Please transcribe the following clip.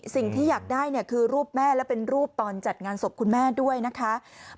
สิ่งที่อยากได้เนี่ยคือรูปแม่และเป็นรูปตอนจัดงานศพคุณแม่ด้วยนะคะ